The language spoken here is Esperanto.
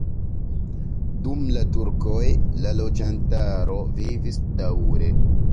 Dum la turkoj la loĝantaro vivis daŭre.